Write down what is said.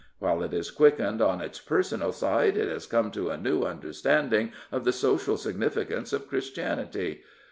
While it is quickened on its personal side, it has come to a new understanding of the social significance of Christianity.